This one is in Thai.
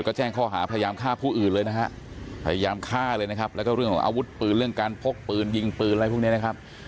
ก็แจ้งข้อหาพยายามฆ่าผู้อื่นและอาวุธปืนเรื่องการพกปืนยิงปืนพวกนี้